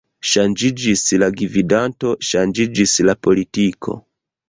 Ŝanĝiĝis la gvidanto, ŝanĝiĝis la politiko.